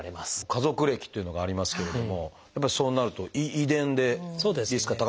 家族歴っていうのがありますけれどもやっぱりそうなると遺伝でリスクが高くなる？